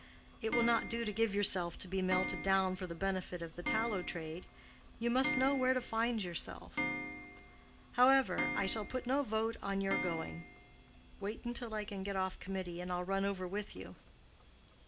It will not do to give yourself to be melted down for the benefit of the tallow trade; you must know where to find yourself. However, I shall put no veto on your going. Wait until I can get off Committee, and I'll run over with you."